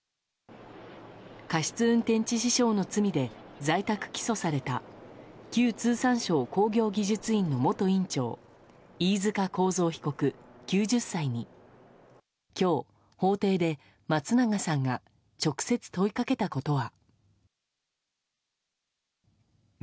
過失運転致死傷の罪で在宅起訴された旧通産省工業技術院の元院長飯塚幸三被告、９０歳に今日、法廷で松永さんが直接問いかけたことは。